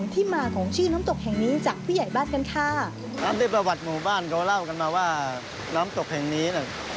ตามที่ประวัติหมู่บ้านเขาเล่ากันมาว่าน้ำตกแห่งนี้